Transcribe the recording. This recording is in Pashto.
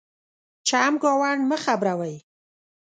چمګاونډ مه خبرَوئ.